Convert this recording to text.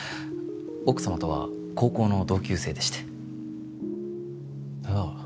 奥様とは高校の同級生でしてああ